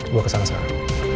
gue kesana sekarang